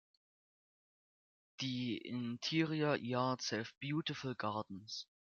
The interior yards have beautiful gardens.